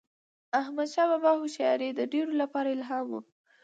د احمدشاه بابا هوښیاري د ډیرو لپاره الهام و.